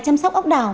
chăm sóc ốc đảo